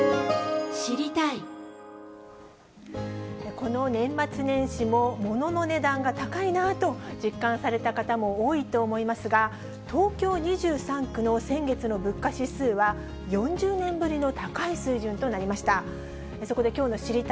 この年末年始も、物の値段が高いなと実感された方も多いと思いますが、東京２３区の先月の物価指数は４０年ぶりの高い水準となりました。